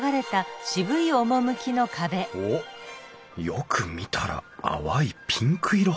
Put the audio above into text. おっよく見たら淡いピンク色。